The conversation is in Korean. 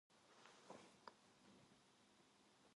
그 집은 돈 아니라 금덩어리를 가지구두 팔거나 사지를 못 헙니다.